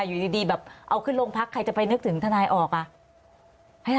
อยู่ดีแบบเอาขึ้นโรงพักษณ์ใครจะไปนึกถึงทนายออกอ่ะให้ทำอะไร